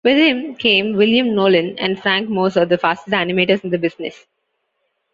With him came William Nolan and Frank Moser, the fastest animators in the business.